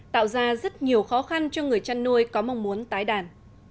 tạo ra rất nhiều khó khăn cho người chăn nuôi có mong muốn tái đàn